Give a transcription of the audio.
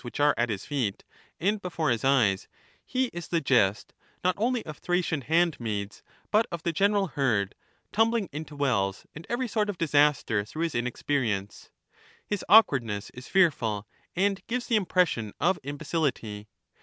which are at his feet and before his eyes, he is the jest, not He is the onlyofThracian handmaids but of the general herd, tumbling stodcof' into wells and every sort of disaster through his inexperience, mankind His awkwardness is fearful, and gives the impression of im h^^^ becility.